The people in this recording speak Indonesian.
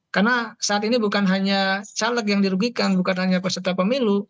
karena saat ini bukan hanya caleg yang dirugikan bukan hanya peserta pemilu